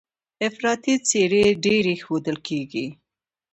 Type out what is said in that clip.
افراطي څېرې ډېرې ښودل کېږي.